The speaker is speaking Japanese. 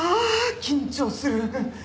緊張する。